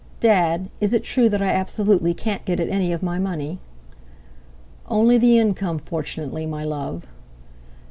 "Dad, is it true that I absolutely can't get at any of my money?" "Only the income, fortunately, my love."